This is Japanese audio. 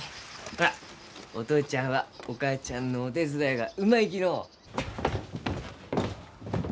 ほらお父ちゃんはお母ちゃんのお手伝いがうまいきのう。